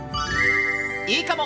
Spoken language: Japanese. いいかも！